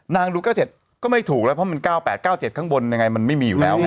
ดู๙๗ก็ไม่ถูกแล้วเพราะมัน๙๘๙๗ข้างบนยังไงมันไม่มีอยู่แล้วไง